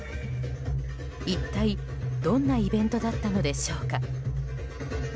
一体どんなイベントだったのでしょうか。